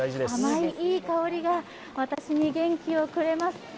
甘いいい香りが私に元気をくれます。